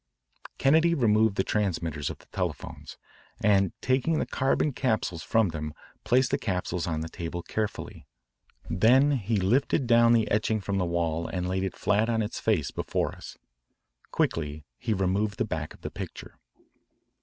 Kennedy removed the transmitters of the telephones, and taking the carbon capsules from them placed the capsules on the table carefully. Then he lifted down the etching from the wall and laid it flat on its face before us. Quickly he removed the back of the picture.